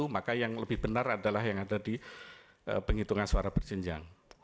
maka yang lebih benar adalah yang ada di penghitungan suara berjenjang